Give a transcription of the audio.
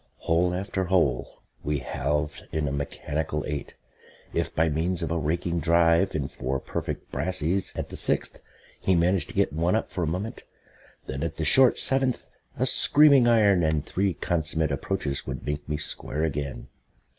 Hole after hole we halved in a mechanical eight. If by means of a raking drive and four perfect brassies at the sixth he managed to get one up for a moment, then at the short seventh a screaming iron and three consummate approaches would make me square again.